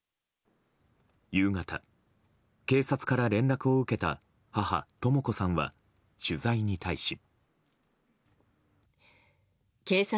夕方、警察から連絡を受けた母とも子さんは取材に対し。